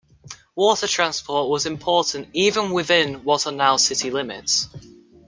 Water transport was important even within what are now city limits.